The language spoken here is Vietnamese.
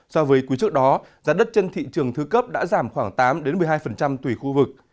so với quý trước đó giá đất trên thị trường thứ cấp đã giảm khoảng tám một mươi hai tùy khu vực